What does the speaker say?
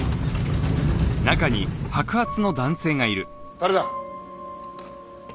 誰だ？